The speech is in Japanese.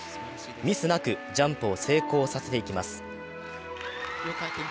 ミスなくジャンプを成功させていきます。